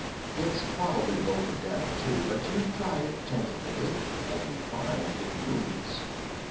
It's probably bolted down, too, but you try it tentatively and you find it moves.